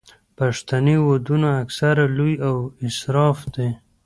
پښتني ودونه اکثره لوی او اسراف دي.